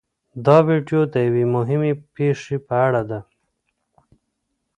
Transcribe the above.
دا ویډیو د یوې مهمې پېښې په اړه ده.